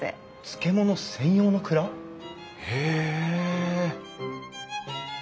漬物専用の蔵！？へえ！